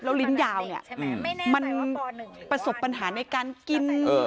แล้วลิ้นยาวเนี่ยมันประสบปัญหาในการกิน